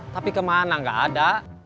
tapi kemana gak ada